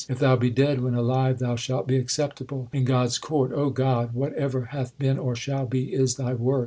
If thou be dead when alive, thou shalt be acceptable in God s court. God, whatever hath been or shall be is Thy work.